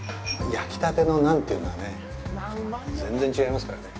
焼きたてのナンというのはね、全然違いますからね。